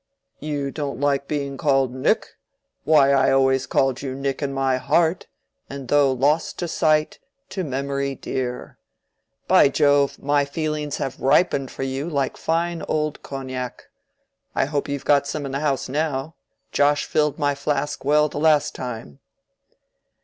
"You don't like being called Nick? Why, I always called you Nick in my heart, and though lost to sight, to memory dear. By Jove! my feelings have ripened for you like fine old cognac. I hope you've got some in the house now. Josh filled my flask well the last time."